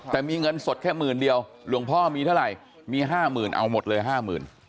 แต่มีเงินสดแค่หมื่นเดียวหลวงพ่อมีเท่าไหร่มีห้าหมื่นเอาหมดเลยห้าหมื่น